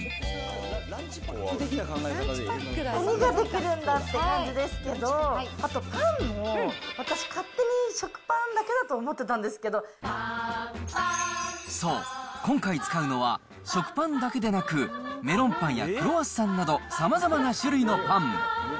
何が出来るんだっていう感じですけど、パンも私、勝手に食パそう、今回使うのは食パンだけでなく、メロンパンやクロワッサンなど、さまざまな種類のパン。